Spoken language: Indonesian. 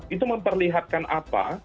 itu memperlihatkan apa